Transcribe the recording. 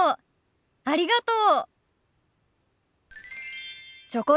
ありがとう。